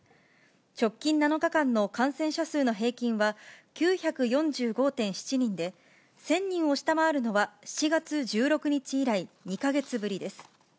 直近７日間の感染者数の平均は、９４５．７人で、１０００人を下回るのは、７月１６日以来２か月ぶりです。